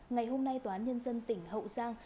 ngày hôm nay tòa án nhân dân tỉnh hậu giang